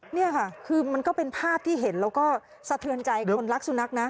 นี่ค่ะคือมันก็เป็นภาพที่เห็นแล้วก็สะเทือนใจคนรักสุนัขนะ